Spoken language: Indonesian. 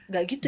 gak gitu ya